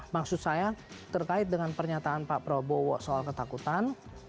maksud saya terkait dengan pernyataan pak prabowo soal ketakutan